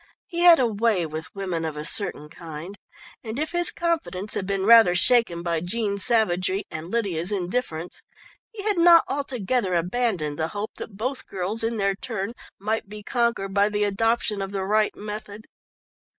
He had a way with women of a certain kind, and if his confidence had been rather shaken by Jean's savagery and Lydia's indifference, he had not altogether abandoned the hope that both girls in their turn might be conquered by the adoption of the right method.